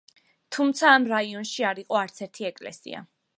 თუმცა ამ რაიონში არ იყო არცერთი ეკლესია.